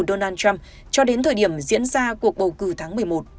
donald trump cho đến thời điểm diễn ra cuộc bầu cử tháng một mươi một